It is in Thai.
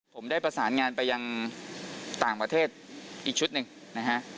ผมได้ประสานงานไปยังต่างประเทศอีกชุดหนึ่งนะฮะ